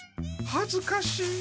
はずかしい！